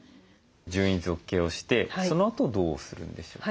順位づけをしてそのあとどうするんでしょうか？